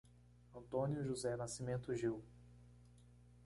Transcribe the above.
Antônio José Nascimento Gil